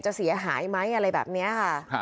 เสียหายไหมอะไรแบบนี้ค่ะ